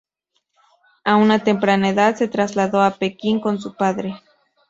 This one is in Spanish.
A una temprana edad se trasladó a Pekín con su padre.